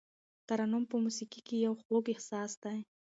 ترنم په موسیقۍ کې یو خوږ احساس دی.